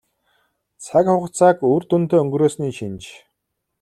Цаг хугацааг үр дүнтэй өнгөрөөсний шинж.